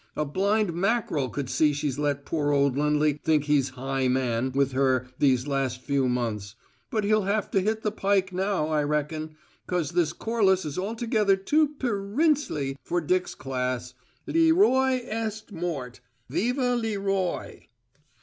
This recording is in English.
A blind mackerel could see she's let poor old Lindley think he's High Man with her these last few months; but he'll have to hit the pike now, I reckon, 'cause this Corliss is altogether too pe rin sley for Dick's class. Lee roy est mort. Vive lee roy!"